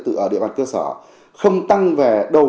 từ ở địa bàn cơ sở không tăng về đầu